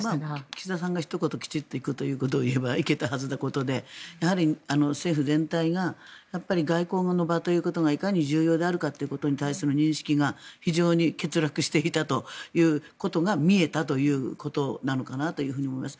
岸田さんがひと言きちんと行くということを言えば行けたはずのことで政府全体が外交の場ということがいかに重要であるかということに対する認識が非常に欠落していたということが見えたということなのかなというふうに思います。